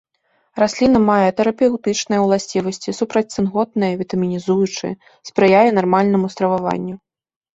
Расліна мае тэрапеўтычныя ўласцівасці, супрацьцынготныя, вітамінізуючыя, спрыяе нармальнаму страваванню.